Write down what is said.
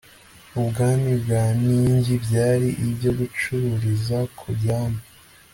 ubwami bwa mingi byari ibyo gucururiza ku byambu